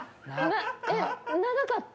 長かった？